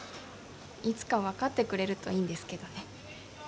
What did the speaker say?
いつか分かってくれるといいんですけどね。